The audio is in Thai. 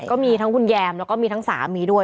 ก็มีทั้งคุณแยมแล้วก็มีทั้งสามีด้วย